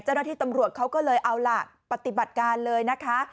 เจ้าหน้าที่ตำรวจเขาก็เลยเอาล่ะปฏิบัติการเลยนะคะ